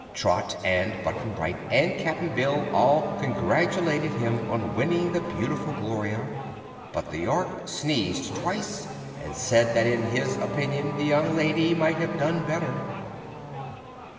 Trot and Button Bright and Cap'n Will all congratulated him on winning the beautiful Gloria; but the Ork sneezed twice and said that in his opinion the young lady might have done better.